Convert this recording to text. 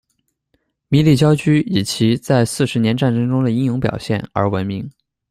弥利憍苴以其在四十年战争中的英勇表现而闻名。